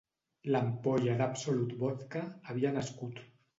L'ampolla d'Absolut Vodka havia nascut.